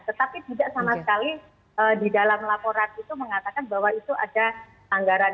tetapi tidak sama sekali di dalam laporan itu mengatakan bahwa itu ada anggaran